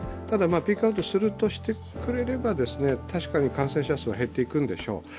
ただ、ピークアウトしてくれれば確かに感染者数は減っていくんでしょう。